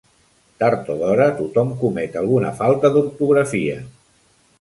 Tard o d'hora, tothom comet alguna falta d'ortografia.